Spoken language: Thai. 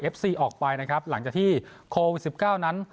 เอฟซีออกไปนะครับหลังจากที่โควิดสิบเก้านั้น